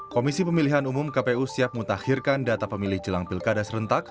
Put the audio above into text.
komisi pemilihan umum kpu siap mutakhirkan data pemilih jelang pilkada serentak